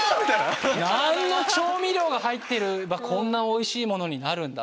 何の調味料が入ってればこんなおいしくなるんだ？